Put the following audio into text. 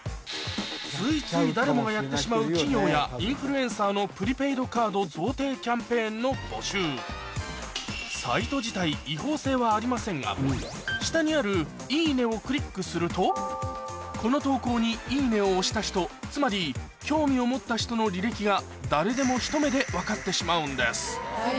ついつい誰もがやってしまうの募集サイト自体違法性はありませんが下にある「いいね」をクリックするとこの投稿に「いいね」を押した人つまり興味を持った人の履歴が誰でもひと目で分かってしまうんです